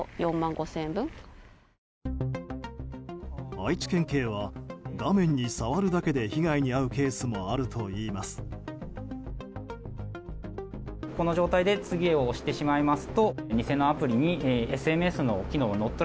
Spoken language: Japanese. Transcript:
愛知県警は画面に触るだけで被害に遭うケースもあるといいます。